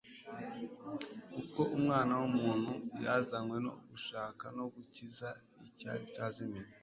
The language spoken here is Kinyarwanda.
Kuko Umwana w'umuutu yazanywe no gushaka no gukiza icyari cyazimiye. »